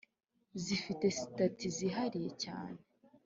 zifite sitati zihariye cyane,